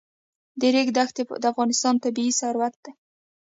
د ریګ دښتې د افغانستان طبعي ثروت دی.